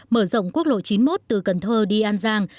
mở rộng quốc lộ chín mươi một từ cần thơ đi an giang